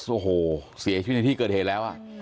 โอ้โหเสียชีวิตในที่เกิดเหตุแล้ว